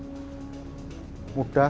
ini cara paling mudah